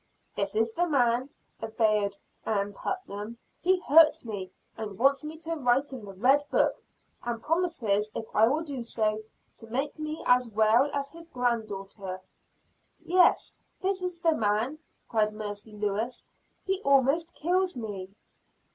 "This is the man," averred Ann Putnam; "he hurts me, and wants me to write in the red book; and promises if I will do so, to make me as well as his grand daughter." "Yes, this is the man," cried Mercy Lewis, "he almost kills me."